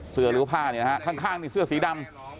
เสื้อริวภาพนี้นะครับข้างนี่เสื้อสีดำ